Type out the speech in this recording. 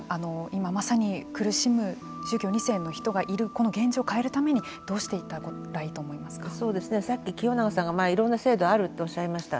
今、まさに苦しむ宗教２世の人がいるこの現状を変えるためにどうしていったらいいとさっき清永さんがいろんな制度があるとおっしゃいました。